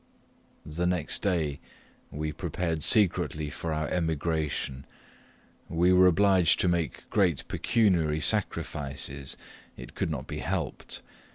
The next day we prepared secretly for our emigration. We were obliged to make great pecuniary sacrifices it could not be helped.